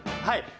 はい。